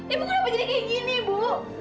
ibu kenapa jadi kayak gini bu